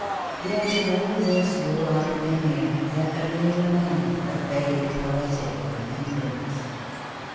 Yet of all this warlike mania there only remained a vague poetic remembrance.